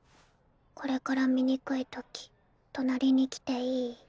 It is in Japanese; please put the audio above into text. これから見にくいとき隣に来ていい？